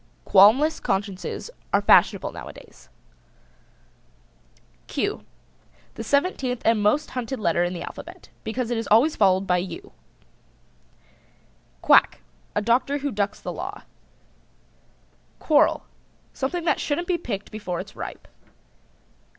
Qualmless consciences are fashionable nowadays. ### Q: The seventeenth and the most hunted letter in the alphabet, because it is always followed by u. ###QUACK. A doctor who ducks the law. QUARREL. Something that shouldn't be picked before it's ripe.